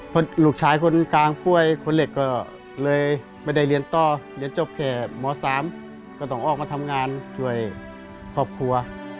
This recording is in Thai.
เพราะลูกชายคนกลางป่วยคนเล็กก็เลยไม่ได้เรียนต่อเรียนจบแค่ม๓ก็ต้องออกมาทำงานช่วยครอบครัว